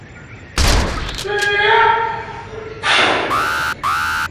She was nine years younger than her brother Thomas Jefferson.